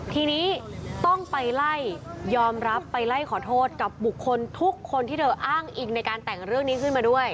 ทีนี้ต้องไปไล่ยอมรับไปไล่ขอโทษกับบุคคลทุกคนที่เธออ้างอิงในการแต่งเรื่องนี้ขึ้นมาด้วย